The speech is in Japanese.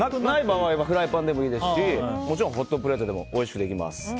ない場合はフライパンでもいいですしもちろんホットプレートでもおいしくできます。